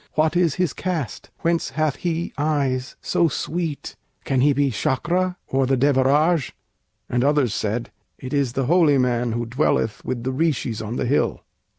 What is his caste? whence hath he eyes so sweet? Can he be Sâkra or the Devaraj?" And others said, "It is the holy man Who dwelleth with the Rishis on the hill."